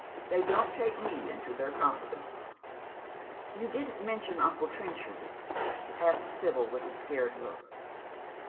They don't take me into their confidence." " Yon didn't mention uncle Trenchard ?" asks Sibyl, vniix a scared look.